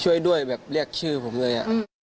ช่วยด้วยแบบเรียกชื่อผมเลยอะ